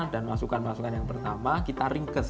dan masukan masukan yang pertama kita ringkes